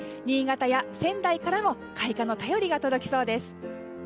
新潟や仙台からも開花の便りが届きそうです。